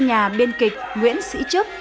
sao cho nhà biên kịch nguyễn sĩ chấp